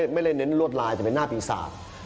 ไม่ได้เน้นลวดลายแต่เป็นหน้าปีศาจ